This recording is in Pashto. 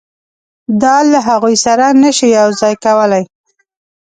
دا له هغوی سره نه شو یو ځای کولای.